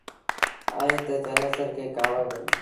ايئي تي چنيسر کي ڪآوڙ لڳيٚ۔